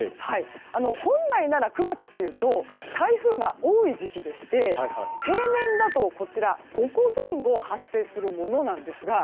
本来なら９月というと台風が多い時期でして平年だと、５個前後発生するものなんですが。